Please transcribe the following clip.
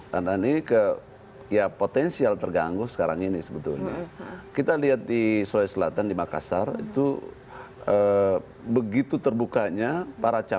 karena ini ke ya potensial terganggu sekarang ini sebetulnya kita lihat di sulawesi selatan di makassar